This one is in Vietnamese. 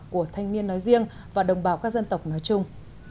của thanh niên nói riêng và đồng bào các dân tộc nói chung